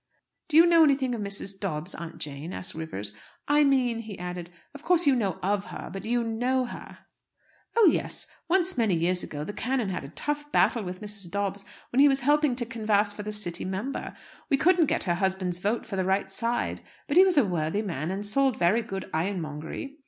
"Do you know anything of Mrs. Dobbs, Aunt Jane?" asked Rivers. "I mean," he added, "of course, you know of her. But do you know her?" "Oh yes. Once, many years ago, the canon had a tough battle with Mrs. Dobbs, when he was helping to canvas for the city member. We couldn't get her husband's vote for the right side. But he was a worthy man, and sold very good ironmongery.